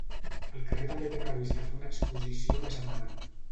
El carrer també té previst de fer una exposició més endavant.